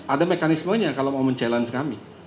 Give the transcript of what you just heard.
ada mekanismenya kalau mau mencabar kami